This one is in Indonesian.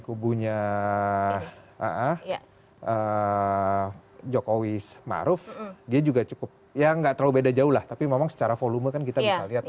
kubunya jokowi maruf dia juga cukup ya nggak terlalu beda jauh lah tapi memang secara volume kan kita bisa lihat